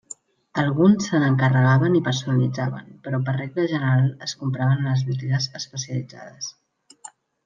Alguns se n'encarregaven i personalitzaven però per regla general es compraven a les botigues especialitzades.